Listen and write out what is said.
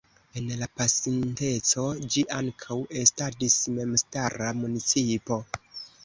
En la pasinteco ĝi ankaŭ estadis memstara municipo.